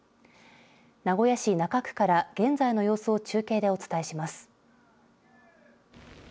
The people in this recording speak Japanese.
名古屋市中区から、現在の様子を中継でお伝えします。